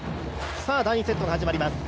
第２セットが始まります。